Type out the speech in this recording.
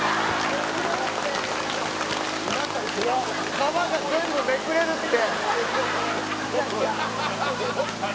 「」「皮が全部めくれるって！」